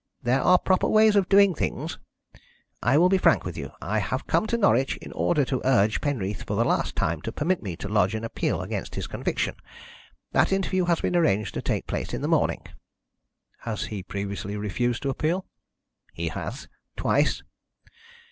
There are proper ways of doing things. I will be frank with you. I have come to Norwich in order to urge Penreath for the last time to permit me to lodge an appeal against his conviction. That interview has been arranged to take place in the morning." "Has he previously refused to appeal?" "He has twice."